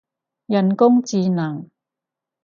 人工智能